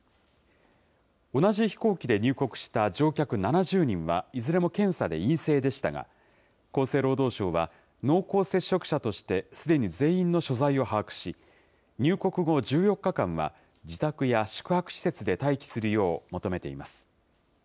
同じ飛行機で入国した乗客７０人は、いずれも検査で陰性でしたが、厚生労働省は、濃厚接触者としてすでに全員の所在を把握し、入国後１４日間は、自宅や宿泊施設で待機するよう求めています。